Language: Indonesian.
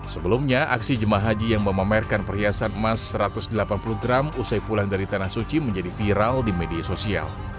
sebelumnya aksi jemaah haji yang memamerkan perhiasan emas satu ratus delapan puluh gram usai pulang dari tanah suci menjadi viral di media sosial